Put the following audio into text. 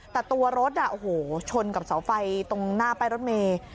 แต่ตัวรถชนกับเสาไฟตรงหน้าป้ายรถเมย์